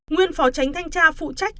nguyên phó tránh thanh tra phụ trách